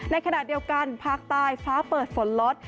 ในขณะเดียวกันภาคใต้ฟ้าเปิดฝนลด